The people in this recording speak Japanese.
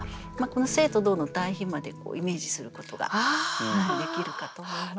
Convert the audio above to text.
静と動の対比までイメージすることができるかと思います。